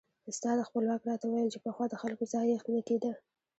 استاد خپلواک راته ویل چې پخوا د خلکو ځایښت نه کېده.